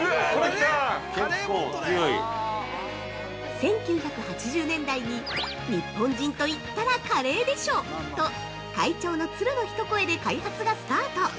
◆１９８０年代に「日本人といったらカレーでしょ！」と会長の鶴の一声で開発がスタート。